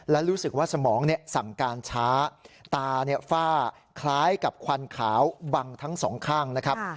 และรู้สึกว่าสมองสั่งการช้าตาฝ้าคล้ายกับควันขาวบังทั้งสองข้างนะครับ